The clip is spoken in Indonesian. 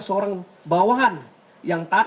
seorang bawahan yang taat